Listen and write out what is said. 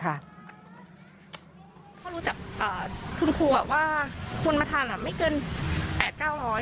ถ้ารู้จักคุณครูว่าคนมาทานไม่เกิน๘๙๐๐บาท